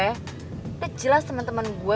udah jelas temen temen gue